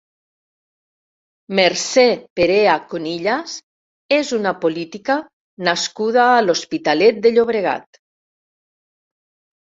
Mercè Perea Conillas és una política nascuda a l'Hospitalet de Llobregat.